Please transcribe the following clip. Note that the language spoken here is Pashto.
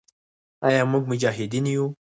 آیا موږ مجاهدین یو؟